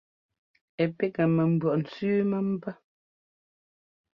Ɛ píkŋɛ mɛ mbʉɔʼ ntsẅí mɛmbá.